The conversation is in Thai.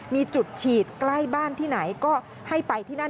มีจุดฉีดใกล้บ้านที่ไหนก็ให้ไปที่นั่น